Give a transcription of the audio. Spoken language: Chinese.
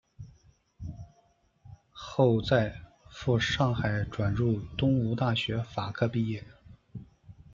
后在赴上海转入东吴大学法科毕业。